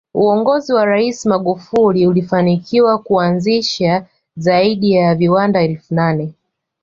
Uongozi wa rais Magufuli ulifanikiwa kuanzisha zaidi ya viwanda elfu nane